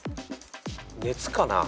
熱かな？